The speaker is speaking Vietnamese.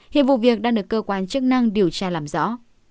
hiện vụ việc đang được cơ quan chức năng điều tra làm rõ